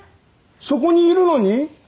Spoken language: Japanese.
そこにいるのに？